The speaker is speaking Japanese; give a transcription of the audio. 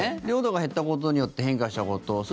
領土が減ったことによって変化したこと。